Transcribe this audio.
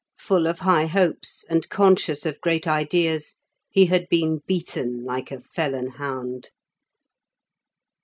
Full of high hopes, and conscious of great ideas, he had been beaten like a felon hound.